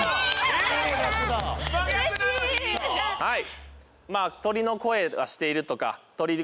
はい。